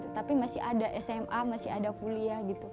tapi masih ada sma masih ada kuliah gitu